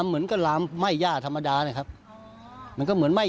ไม่ได้สังคัญนะครับ